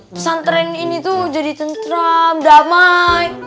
pesantren ini tuh jadi tentram damai